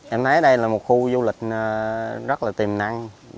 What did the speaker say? em thấy đây là một khu du lịch rất là tiềm năng